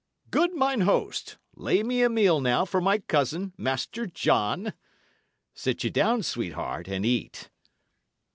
Good mine host, lay me a meal now for my cousin, Master John. Sit ye down, sweetheart, and eat."